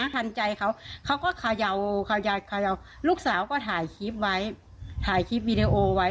ไม่ทันใจเขาเขาก็ขย่าวขย่าวขย่าวลูกสาวก็ถ่ายคลิปไว้ถ่ายคลิปวีดีโอไว้